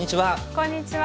こんにちは。